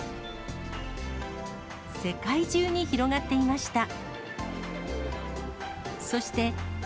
世界中に広がっていました。